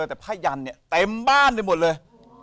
ก็เจอแต่ผ้ายันเนี่ยเต็มบ้านเลยหมดเลย